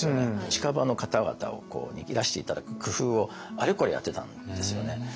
近場の方々にいらして頂く工夫をあれこれやってたんですよね。